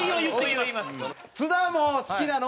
津田も好きなの？